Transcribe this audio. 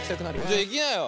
じゃあいきなよ！